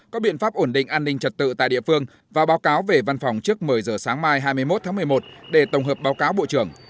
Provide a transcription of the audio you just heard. có biện pháp ổn định an ninh trật tự tại địa phương và báo cáo về văn phòng trước một mươi giờ sáng mai hai mươi một tháng một mươi một để tổng hợp báo cáo bộ trưởng